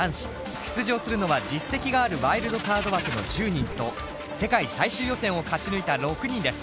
出場するのは実績があるワイルドカード枠の１０人と世界最終予選を勝ち抜いた６人です。